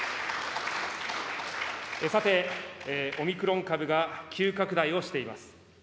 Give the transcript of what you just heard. さて、オミクロン株が急拡大をしています。